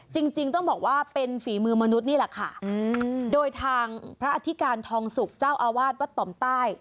จริงจริงต้องบอกว่าเป็นฝีมือมนุษย์นี่แหละค่ะโดยทางพระอธิการทองสุกเจ้าอาวาสวัดต่อมใต้